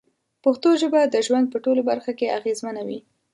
پښتو ژبه د ژوند په ټولو برخو کې اغېزمنه وي.